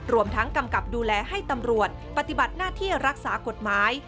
รวมทั้งกำกับดูแลให้ตำรวจปฏิบัติหน้าที่รักษากฎหมาย